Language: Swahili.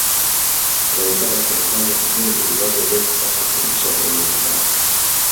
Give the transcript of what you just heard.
Walitaka serikali ya mzungu iwape ruksa kufundisha kwa lugha zao